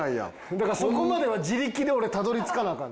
だからそこまでは自力で俺たどり着かなアカンねん。